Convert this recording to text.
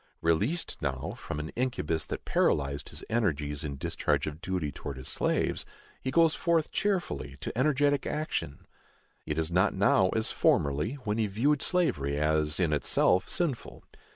Released now from an incubus that paralyzed his energies in discharge of duty towards his slaves, he goes forth cheerfully to energetic action. It is not now as formerly, when he viewed slavery as in itself sinful.